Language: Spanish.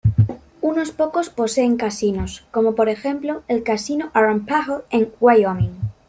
Unos pocos poseen casinos, como por ejemplo el Casino Arapaho en Wyoming.